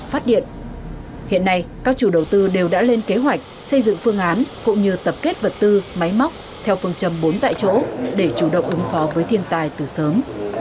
phát điện hiện nay các chủ đầu tư đều đã lên kế hoạch xây dựng phương án cũng như tập kết vật tư máy móc theo phương châm bốn tại chỗ để chủ động ứng phó với thiên tài từ sớm